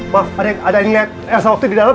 maaf ada yang liat elsa waktu di dalam gak